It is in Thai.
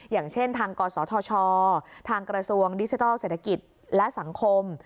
อย่างเช่นทางกศธชทางกระทรวงดิจิทัลเศรษฐกิจและสังคม